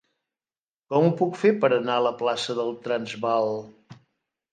Com ho puc fer per anar a la plaça del Transvaal?